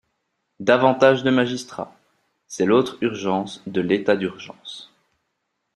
Davantage de magistrats : c’est l’autre urgence de l’état d’urgence.